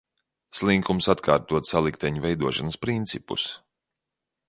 Slinkums atkārtot salikteņu veidošanas principus.